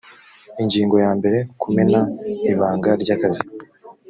ingingo ya mbere kumena ibanga ry akazi